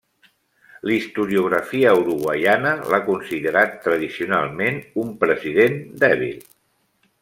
La historiografia uruguaiana l'ha considerat tradicionalment un president dèbil.